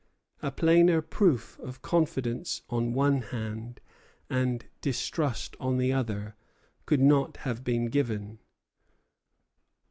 A plainer proof of confidence on one hand and distrust on the other could not have been given.